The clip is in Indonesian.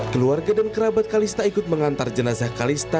keluarga dan kerabat kalista ikut mengantar jenazah kalista